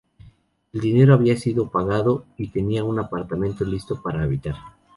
El dinero había sido pagado y tenía un apartamento listo para habitar.